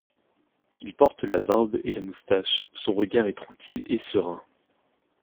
Il porte la barbe et la moustache, son regard est tranquille et serein.